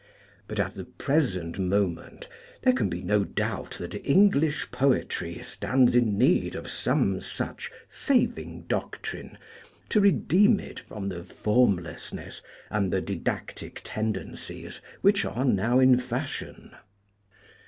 But at the present moment there can be no doubt that English poetry stands in need of some such saving doctrine to redeem it from the formlessness and the didactic tendencies which are now in fashion.